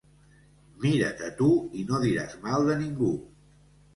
Mira't a tu i no diràs mal de ningú.